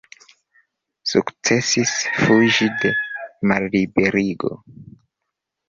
Sukcesis fuĝi de malliberigo.